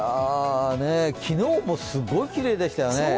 昨日もすごいきれいでしたよね。